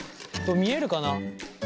見えるかな？